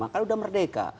kan sudah merdeka